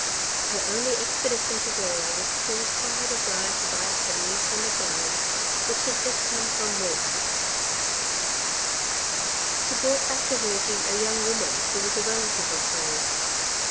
Her only expedition to Verrieres was caused by her desire to buy some new summer gowns which had just come from Mulhouse. 52 THE RED AND THE BLACK She brought back to Vergy a young woman who was a relative of hers.